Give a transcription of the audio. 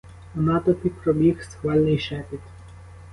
У натовпі пробіг схвальний шепіт.